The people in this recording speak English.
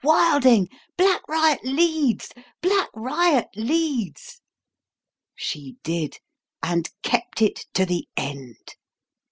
Wilding! Black Riot leads! Black Riot leads!" She did and kept it to the end!